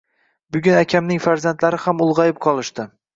Bugun akamning farzandlari ham ulg`ayib qolishdi